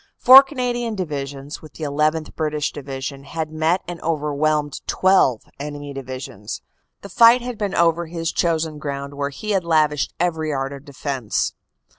Four Cana dian Divisions, with the llth. British Division, had met and overwhelmed twelve enemy divisions. The fight had been over his chosen ground where he had lavished every art of defense.